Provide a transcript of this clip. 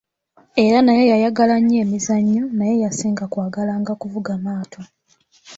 Era naye yayagala nnyo emizannyo, naye yasinga kwagalanga kuvuga maato.